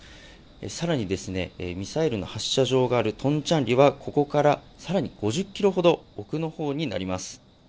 更にミサイルの発射場があるトンチャンリはここからさらに５０ｋｍほど奥の方になります。